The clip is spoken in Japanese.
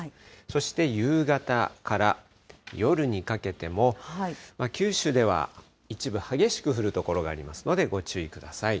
そして夕方から夜にかけても、九州では一部激しく降る所がありますので、ご注意ください。